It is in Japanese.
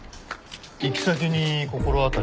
行き先に心当たりは？